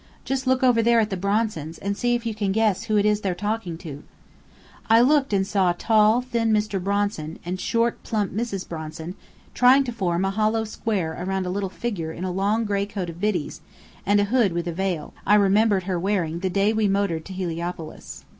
Just look over there, at the Bronsons, and see if you can guess who it is they're talking to?" I looked and saw tall, thin Mr. Bronson, and short, plump Mrs. Bronson trying to form a hollow square around a little figure in a long gray coat of Biddy's, and a hood with a veil I remembered her wearing the day we motored to Heliopolis.